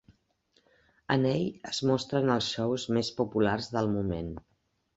En ell es mostren els shows més populars del moment.